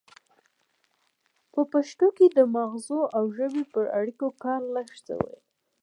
په پښتو کې د مغزو او ژبې پر اړیکو کار لږ شوی دی